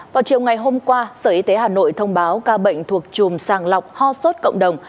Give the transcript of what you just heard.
vào chiều ngày hôm qua sở y tế hà nội thông báo ca bệnh thuộc chùm sàng lọc ho sốt cộng đồng